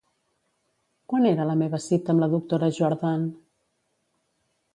Quan era la meva cita amb la doctora Jordan?